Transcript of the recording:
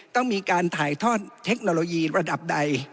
ต้องมีการถ่ายทอดเทคโนโลยีระดับใด